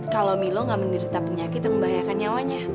kalau milo gak menderita penyakit yang membahayakan nyawanya